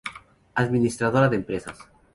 Administradora de empresas.